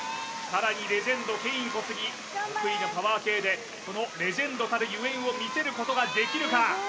さらにレジェンドケイン・コスギ得意のパワー系でそのレジェンドたるゆえんを見せることができるか？